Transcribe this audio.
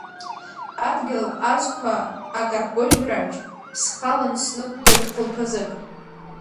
Адгьыл азқәа акарпыжәраҿ, схалан снықәгылт хәылԥазык.